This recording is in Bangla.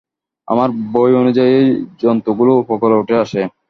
আমার বই অনুযায়ী, জন্তুগুলো উপকূলে উঠে আসে।